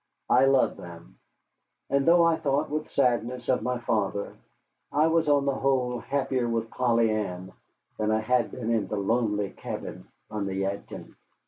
I loved them; and though I thought with sadness of my father, I was on the whole happier with Polly Ann than I had been in the lonely cabin on the Yadkin.